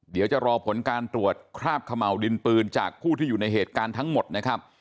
เดี๋ยวจะรอผลการตรวจคราบเขม่าวดินปืนจากผู้ที่อยู่ในเหตุการณ์ทั้งหมดนะครับ